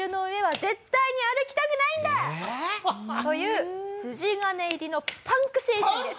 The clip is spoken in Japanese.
ええ！？という筋金入りのパンク精神です。